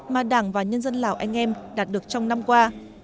mà đảng và nhân dân lào anh em đạt được trong năm qua